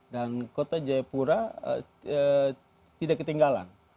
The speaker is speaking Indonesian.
dan kota jayapura tidak ketinggalan